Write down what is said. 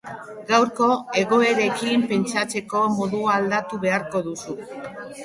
Gaurko egoerekin pentsatzeko modua aldatu beharko duzu.